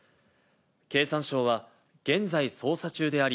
経産省は、現在捜査中であり、